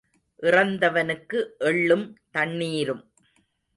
இறந்தவனுக்கு எள்ளும் தண்ணீரும்.